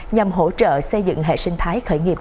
nhằm hỗ trợ xây dựng hệ sinh thái khởi nghiệp